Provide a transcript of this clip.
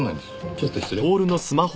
ちょっと失礼。